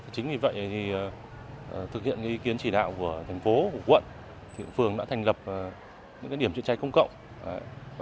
chính vì vậy thực hiện ý kiến chỉ đạo của thành phố của quận phường đã thành lập những điểm chữa cháy công cộng